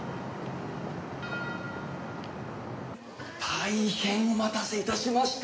大変お待たせ致しました。